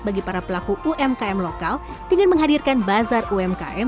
bagi para pelaku umkm lokal dengan menghadirkan bazar umkm